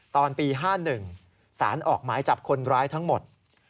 ตอนปี๕๑สารออกหมายจับคนร้ายทั้งหมด